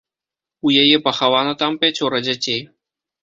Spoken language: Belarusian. У яе пахавана там пяцёра дзяцей.